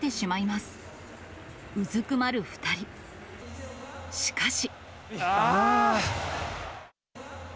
しかし。